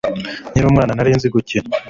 Nkiri umwana narinzi gukina